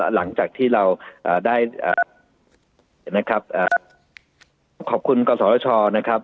หลังจากที่เราอ่าได้อ่านะครับอ่าขอบคุณกสรชานะครับ